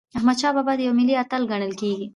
احمدشاه بابا یو ملي اتل ګڼل کېږي.